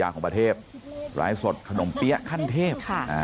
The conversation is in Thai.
กลุ่มป่าเทพการ้ายสดขนมเตี้ยขั้นเทพ